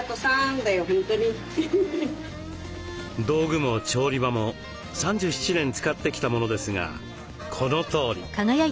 道具も調理場も３７年使ってきたものですがこのとおり。